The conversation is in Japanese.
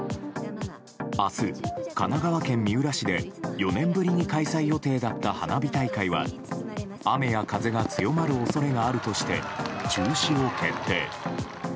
明日、神奈川県三浦市で４年ぶりに開催予定だった花火大会は雨や風が強まる恐れがあるとして中止を決定。